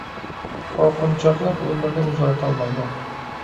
قورقۇنچاقلىق ئۆمۈرنى ئۇزارتالمايدۇ